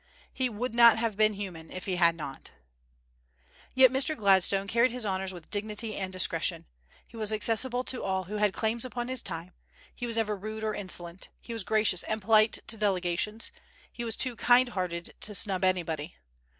He would not have been human if he had not. Yet Mr. Gladstone carried his honors with dignity and discretion. He was accessible to all who had claims upon his time; he was never rude or insolent; he was gracious and polite to delegations; he was too kind hearted to snub anybody.